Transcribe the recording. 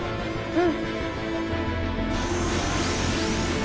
うん！